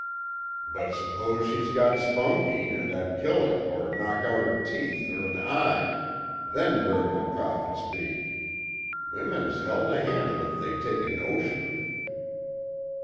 "But s'pose she got spunky, an' I'd kill her, or knock out her teeth, er an eye then where'd my profits be? Women's hell to handle if they take a notion."